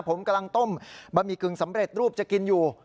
ผมกำลังต้มบะหมี่กึ่งสำเร็จรูปจะกินอยู่